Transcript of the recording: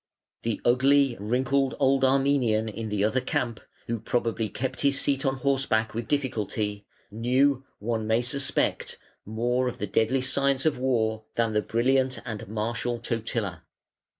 The ugly, wrinkled old Armenian in the other camp, who probably kept his seat on horseback with difficulty, knew, one may suspect, more of the deadly science of war than the brilliant and martial Totila.